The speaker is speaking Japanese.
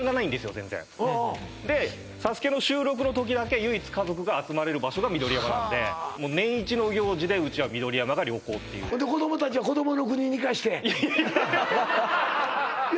全然でＳＡＳＵＫＥの収録のときだけ唯一家族が集まれる場所が緑山なんで年イチの行事でうちは緑山が旅行っていうで子どもたちはこどもの国に行かせていや